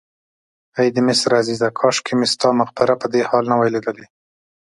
ای د مصر عزیزه کاشکې مې ستا مقبره په دې حال نه وای لیدلې.